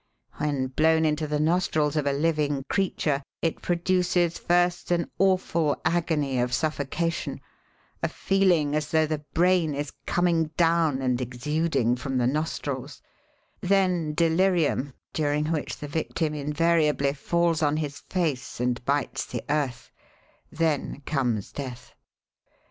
When blown into the nostrils of a living creature it produces first an awful agony of suffocation, a feeling as though the brain is coming down and exuding from the nostrils, then delirium, during which the victim invariably falls on his face and bites the earth; then comes death.